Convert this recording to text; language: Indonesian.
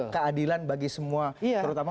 keadilan bagi semua terutama